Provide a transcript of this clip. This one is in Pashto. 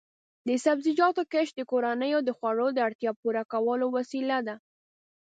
د سبزیجاتو کښت د کورنیو د خوړو د اړتیا پوره کولو وسیله ده.